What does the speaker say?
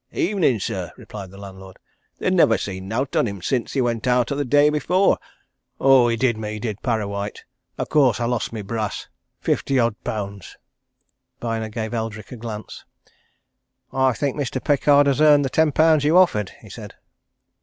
"Evenin', sir," replied the landlord. "They'd nivver seen naught of him since he went out the day before. Oh, he did me, did Parrawhite! Of course, I lost mi brass fifty odd pounds!" Byner gave Eldrick a glance. "I think Mr. Pickard has earned the ten pounds you offered," he said.